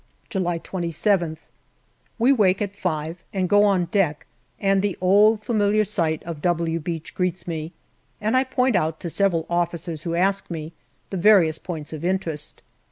JULY 173 July 27th. We wake at five and go on deck, and the old familiar sight of " W " Beach greets me, and I point out, to several officers who ask me, the various points of interest.